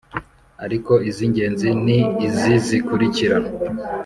ariko iz’ingenzi ni izi zikurikira: